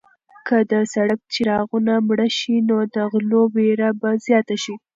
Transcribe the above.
که د سړک څراغونه مړه شي نو د غلو وېره به زیاته شي.